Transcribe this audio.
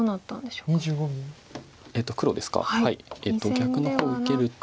逆の方受けると。